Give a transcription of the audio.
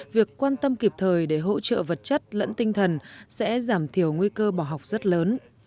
việc quan tâm kịp thời để hỗ trợ vật chất lẫn tinh thần sẽ giảm thiểu nguy cơ bỏ học rất lớn